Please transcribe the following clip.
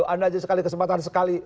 anda aja sekali kesempatan sekali